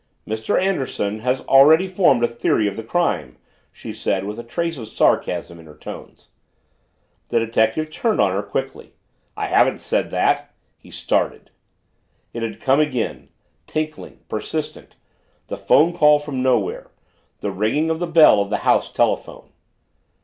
"Mr. Anderson has already formed a theory of the crime," she said with a trace of sarcasm in her tones. The detective turned on her quickly. "I haven't said that." He started. It had come again tinkling persistent. the phone call from nowhere the ringing of the bell of the house telephone!